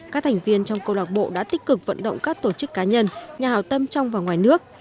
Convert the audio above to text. các thành viên trong câu lạc bộ đã tích cực vận động các tổ chức cá nhân nhà hào tâm trong và ngoài nước